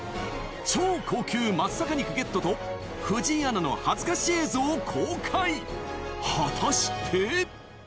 超高級松阪肉ゲットと藤井アナの恥ずかし映像を公開果たして？